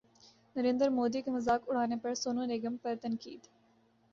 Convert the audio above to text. نریندر مودی کا مذاق اڑانے پر سونو نگم پر تنقید